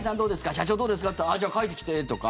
社長どうですか？って言ったらじゃあ、描いてきて！とか。